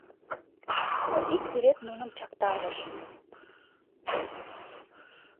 Но ик сӱрет нуным чактарыш.